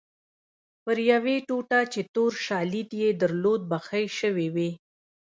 پر یوې ټوټه چې تور شالید یې درلود بخۍ شوې وې.